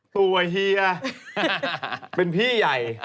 เฮียเป็นพี่ใหญ่